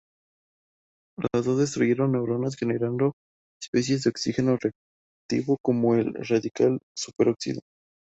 Los dos destruyen neuronas generando especies de oxígeno reactivo, como el radical superóxido.